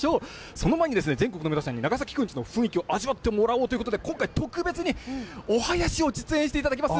その前に、全国の皆さんに長崎くんちの雰囲気を味わってもらおうということで、今回、特別に、お囃子を実演していただきます。